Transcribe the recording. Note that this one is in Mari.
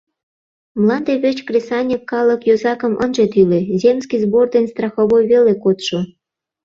Мланде верч кресаньык калык йозакым ынже тӱлӧ, земский сбор ден страховой веле кодшо.